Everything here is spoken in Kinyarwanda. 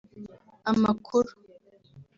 amakuru